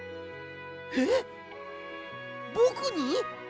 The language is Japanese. えっぼくに？